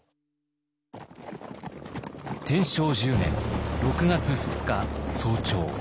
天正１０年６月２日早朝。